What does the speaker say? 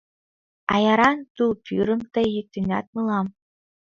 Аяран тул пӱрым тый Йӱктенат мылам.